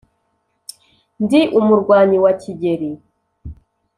Ndi umurwanyi wa Kigeli.